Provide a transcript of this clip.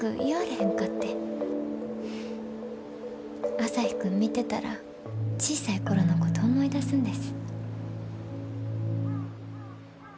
朝陽君見てたら小さい頃のこと思い出すんです。